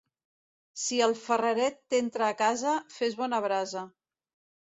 Si el ferreret t'entra a casa, fes bona brasa.